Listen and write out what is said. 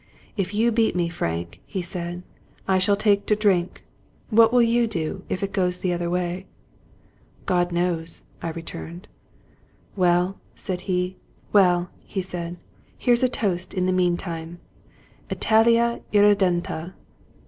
"If you beat me, Frank," he said, " I shall take to drink. What will you do, if it goes the other way ?"" God knows," I returned. " Well," said he, " here is a toast in the meantime :* Italia irredenta!